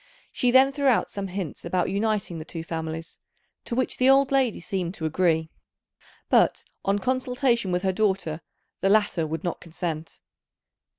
She then threw out some hints about uniting the two families, to which the old lady seemed to agree; but, on consultation with her daughter, the latter would not consent.